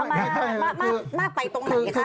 ทำไมมากไปตรงไหนเนี่ยครับ